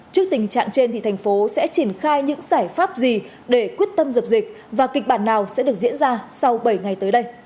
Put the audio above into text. trước tình trạng trên thành phố sẽ triển khai những giải pháp gì để quyết tâm dập dịch và kịch bản nào sẽ được diễn ra sau bảy ngày tới đây